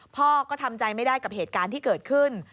พ่อก็ทำใจไม่ได้กับเหตุการณ์ที่เกิดขึ้น